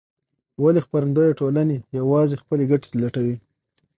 ولې خپرندویه ټولنې یوازې خپلې ګټې لټوي؟